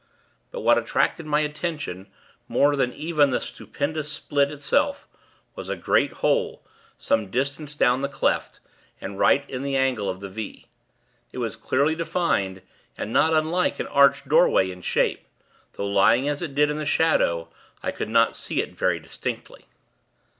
But, what attracted my attention, more than even the stupendous split itself, was a great hole, some distance down the cleft, and right in the angle of the V. It was clearly defined, and not unlike an arched doorway in shape; though, lying as it did in the shadow, I could not see it very distinctly.